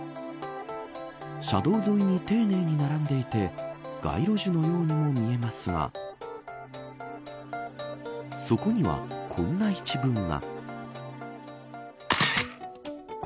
車道沿いに丁寧に並んでいて街路樹のようにも見えますがそこにはこんな一文が。